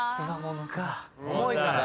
重いからね。